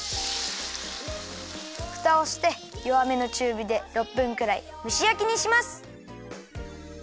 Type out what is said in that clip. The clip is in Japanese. ふたをしてよわめのちゅうびで６分くらいむしやきにします！